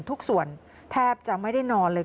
ทุกส่วนแทบจะไม่ได้นอนเลย